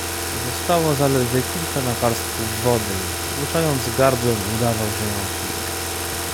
Pozostało zaledwie kilka naparstków wody i poruszając gardłem, udawał, że ją pije.